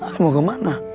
lo mau kemana